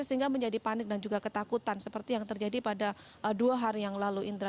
sehingga menjadi panik dan juga ketakutan seperti yang terjadi pada dua hari yang lalu indra